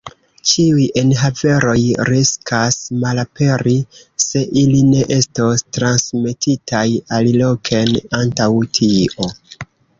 Ĉiuj enhaveroj riskas malaperi, se ili ne estos transmetitaj aliloken antaŭ tio.